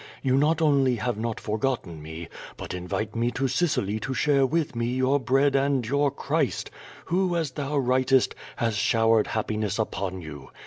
You not only have not forgotten nie, but invite me to Sicily to share with me your bread and your Christ, who, as thou writest, has showered happiness upon you.